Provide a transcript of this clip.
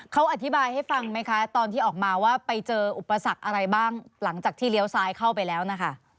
เขาอธิบายให้ฟังไหมคะตอนที่ออกมาว่าไปเจออุปสรรคอะไรบ้างหลังจากที่เลี้ยวซ้ายเข้าไปแล้วนะคะ